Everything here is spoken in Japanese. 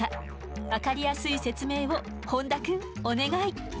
分かりやすい説明を本多くんお願い。